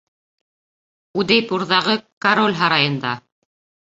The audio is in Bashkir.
Удейпурҙағы король һарайында.